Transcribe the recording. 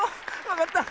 わかった。